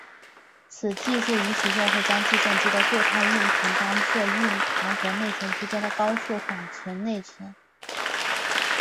此技术允许用户将计算机的固态硬盘当做硬盘和内存之间的高速缓存内存。